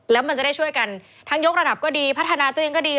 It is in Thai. แล้วมันจะได้ช่วยกันทั้งยกระดับก็ดีพัฒนาตัวเองก็ดี